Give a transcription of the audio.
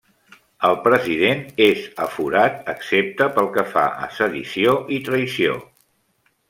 El President és aforat excepte pel que fa a sedició i traïció.